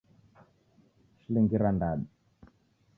Shilingi irandadu